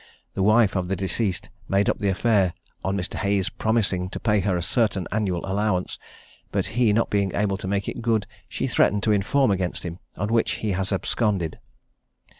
The wife of the deceased made up the affair, on Mr. Hayes's promising to pay her a certain annual allowance; but he not being able to make it good, she threatened to inform against him, on which he has absconded."